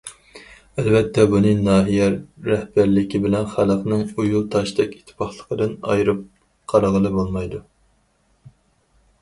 ئەلۋەتتە، بۇنى ناھىيە رەھبەرلىكى بىلەن خەلقنىڭ ئۇيۇل تاشتەك ئىتتىپاقلىقىدىن ئايرىپ قارىغىلى بولمايدۇ.